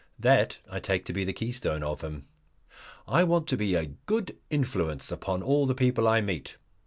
That I take to be the keystone of him. "I want to be a Good Influence upon all the people I meet."